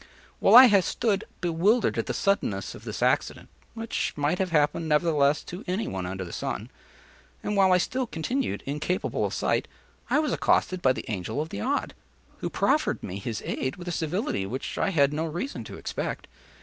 While I stood bewildered at the suddenness of this accident, (which might have happened, nevertheless, to any one under the sun), and while I still continued incapable of sight, I was accosted by the Angel of the Odd, who proffered me his aid with a civility which I had no reason to expect.